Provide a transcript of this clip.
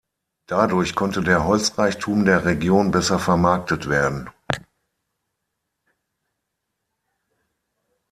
Dadurch konnte der Holzreichtum der Region besser vermarktet werden.